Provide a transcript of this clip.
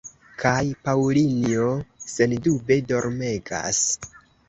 Kaj Paŭlinjo, sendube, dormegas.